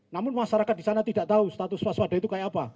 namun masyarakat di sana tidak tahu status waspada itu kayak apa